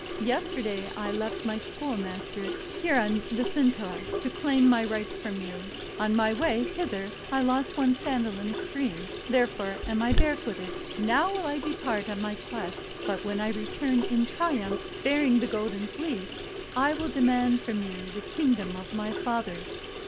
Yesterday I left my Schoolmaster Chiron the Centaur, to claim my rights from you. On my wav hither I lost one sandal in a stream, there V fore am I barefooted. Now will I depart on my quest, but when I return in triumph bearing the RAM WITH GOLDEN FLEECE 387 Golden Fleece, I will demand from you the Kingdom of my fathers."